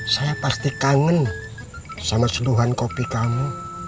saya pasti kangen sama seduhan kopi kamu